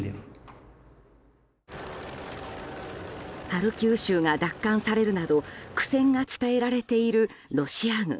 ハルキウ州が奪還されるなど苦戦が伝えられているロシア軍。